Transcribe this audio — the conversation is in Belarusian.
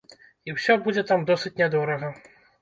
І усё будзе там досыць нядорага.